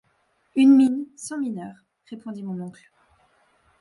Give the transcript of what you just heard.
Une mine sans mineurs, répondit mon oncle.